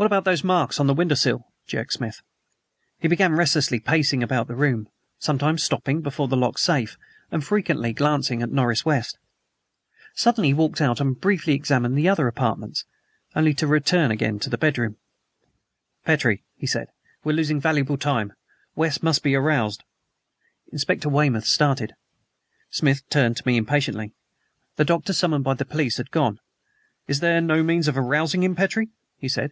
"What about those marks on the window sill?" jerked Smith. He began restlessly pacing about the room, sometimes stopping before the locked safe and frequently glancing at Norris West. Suddenly he walked out and briefly examined the other apartments, only to return again to the bedroom. "Petrie," he said, "we are losing valuable time. West must be aroused." Inspector Weymouth stared. Smith turned to me impatiently. The doctor summoned by the police had gone. "Is there no means of arousing him, Petrie?" he said.